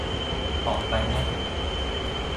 ออกไปแมค